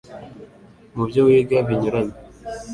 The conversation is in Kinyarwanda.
mu byo wiga binyuranye.